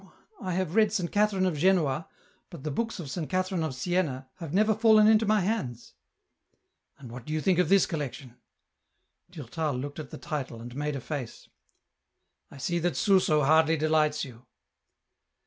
I have read Saint Catherine of Genoa, but the books of Saint Catherine of Siena have never fallen into my hands." " And what do you think of this collection ?" Durtal looked at the title, and made a face. " I see that Suso hardly delights you."